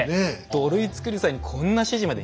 土塁を造る際にこんな指示まで。